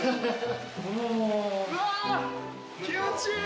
うわ気持ちいい。